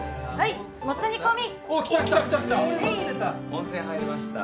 温泉入りました。